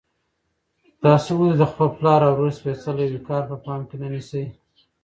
تاسو ولې د خپل پلار او ورور سپېڅلی وقار په پام کې نه نیسئ؟